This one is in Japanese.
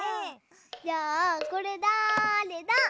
じゃあこれだれだ？